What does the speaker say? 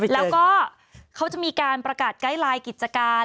แล้วก็เขาจะมีการประกาศใกล้ลายกิจการ